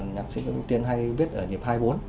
nhạc sĩ tiến hay viết ở nhịp hai mươi bốn